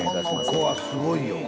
この子はすごいよ。